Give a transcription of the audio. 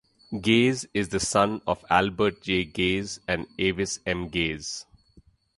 Gaze is the son of Albert J. Gaze and Avis M. Gaze.